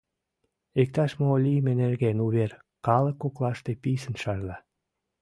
Иктаж-мо лийме нерген увер калык коклаште писын шарла.